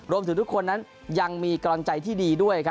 รวมถึงทุกคนนั้นยังมีกรรมใจที่ดี